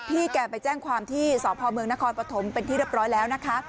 แกไปแจ้งความที่สพเมืองนครปฐมเป็นที่เรียบร้อยแล้วนะคะ